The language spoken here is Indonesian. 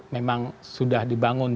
memang sudah dibangun